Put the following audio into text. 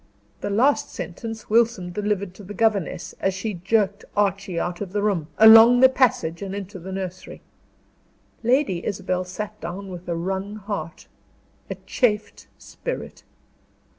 The last sentence Wilson delivered to the governess, as she jerked Archie out of the room, along the passage, and into the nursery. Lady Isabel sat down with a wrung heart, a chafed spirit.